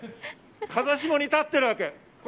風下に立ってるわけ。